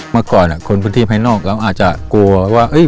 เมื่อก่อนคนพื้นที่ภายนอกเราอาจจะกลัวว่า